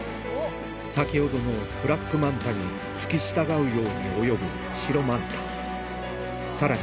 先ほどのブラックマンタに付き従うように泳ぐ白マンタさらに